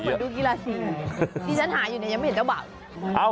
ก็เหมือนดูกีฬาสีที่ฉันหาอยู่นี่ยังไม่เห็นเจ้าบ่าว